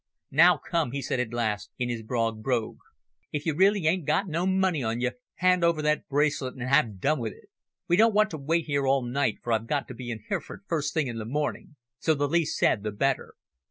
"Now come," he said at last, in his broad brogue, "if you really ain't got no money on you, hand over that bracelet and ha' done with it. We don't want to wait 'ere all night, for I've got to be in Hereford first thing in the morning. So the least said the better."